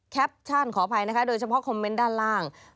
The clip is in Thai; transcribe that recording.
แคปชั่นขออภัยนะคะโดยเฉพาะคอมเมนต์ด้านล่าง